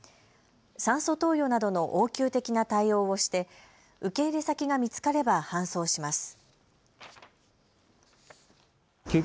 酸素投与などの応急的な対応をして受け入れ先が見つかれば搬送します。